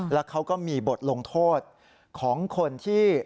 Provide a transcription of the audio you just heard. แล้วเขาก็มีบทลงโทษของคนที่